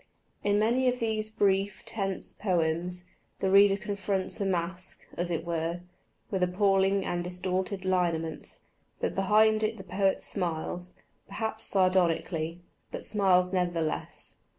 In many of these brief, tense poems the reader confronts a mask, as it were, with appalling and distorted lineaments; but behind it the poet smiles, perhaps sardonically, but smiles nevertheless.